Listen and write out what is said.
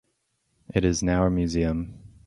It is now a museum.